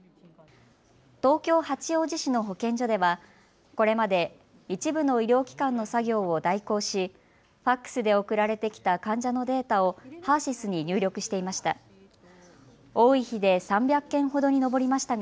東京八王子市の保健所ではこれまで一部の医療機関の作業を代行しＦＡＸで送られてきた患者のデータをＨＥＲーＳＹＳに入力していました。